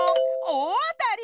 おおあたり！